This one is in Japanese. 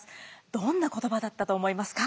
どんな言葉だったと思いますか？